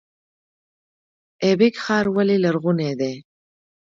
ایبک ښار ولې لرغونی دی؟